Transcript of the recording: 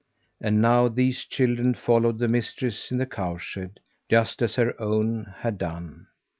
And now these children followed the mistress in the cowshed, just as her own had done.